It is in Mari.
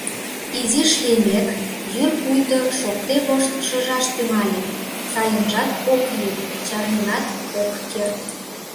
Изиш лиймек, йӱр пуйто шокте вошт шыжаш тӱҥале: сайынжат ок йӱр, чарненат ок керт.